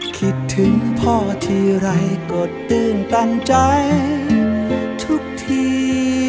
คิดถึงพ่อทีไรก็ตื่นตันใจทุกที